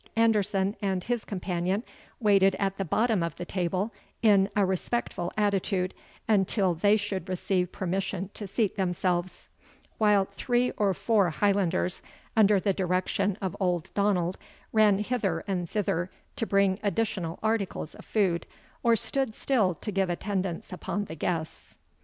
Anderson and his companion waited at the bottom of the table, in a respectful attitude, until they should receive permission to seat themselves; while three or four Highlanders, under the direction of old Donald, ran hither and thither to bring additional articles of food, or stood still to give attendance upon the guests.